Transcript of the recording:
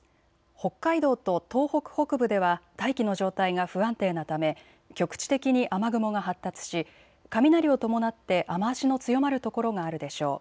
北海道と東北北部では大気の状態が不安定なため局地的に雨雲が発達し雷を伴って雨足の強まる所があるでしょう。